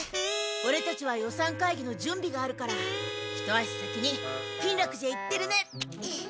オレたちは予算会議の準備があるから一足先に金楽寺へ行ってるね。